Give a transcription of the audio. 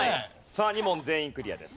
さあ２問全員クリアです。